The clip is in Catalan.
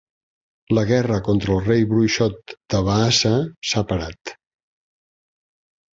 La guerra contra el Rei Bruixot de Vaasa s'ha parat.